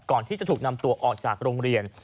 ก่อนที่จะถูกนำตัวออกจากโรงเรียน